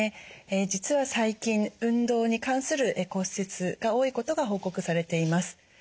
実は最近運動に関する骨折が多いことが報告されています。